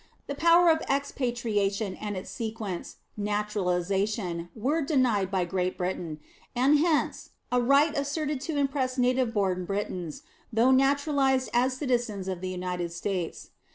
The power of expatriation, and its sequence, naturalization, were denied by Great Britain; and hence a right asserted to impress native born Britons, though naturalized as citizens of the United States.